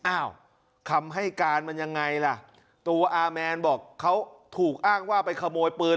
อ้าวคำให้การมันยังไงล่ะตัวอาแมนบอกเขาถูกอ้างว่าไปขโมยปืน